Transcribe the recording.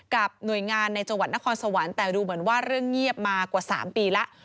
กับหน่วยงานในจังหวัดนครสวรรค์แต่ดูเหมือนว่าเรื่องเงียบมากว่า๓ปีแล้ว